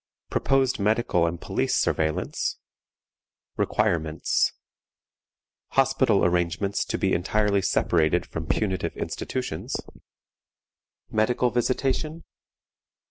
Proposed medical and police Surveillance. Requirements. Hospital Arrangements to be entirely separated from punitive Institutions. Medical Visitation.